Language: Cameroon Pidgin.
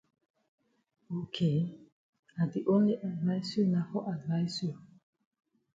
Ok I di only advice you na for advice you.